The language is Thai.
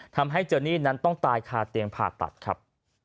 ทำให้เจอนี่นั้นต้องตายคาเตียงผ่าตัดครับ